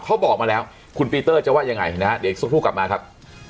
เขาบอกมาแล้วคุณปีเตอร์จะว่ายังไงนะฮะเดี๋ยวอีกสักครู่กลับมาครับ